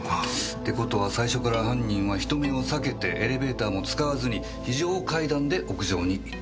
って事は最初から犯人は人目を避けてエレベーターも使わずに非常階段で屋上に行った。